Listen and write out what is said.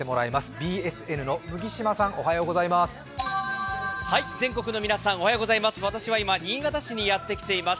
ＢＳＮの麦島さん、おはようございます。